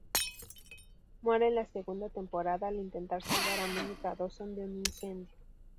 Muere en la segunda temporada, al intentar salvar a Monica Dawson de un incendio.